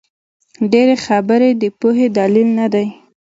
ډېري خبري د پوهي دلیل نه دئ.